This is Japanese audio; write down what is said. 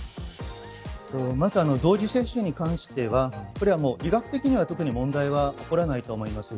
まず、同時接種に関しては医学的には特に問題は起こらないと思います。